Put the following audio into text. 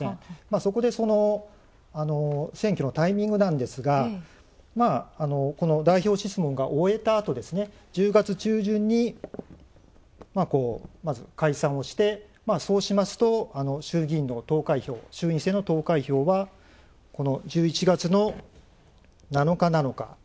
そこで、選挙のタイミングなんですが代表質問が終えたあと１０月中旬に、まず解散をしてそうしますと、衆議院選の投開票は１１月の７日なのか。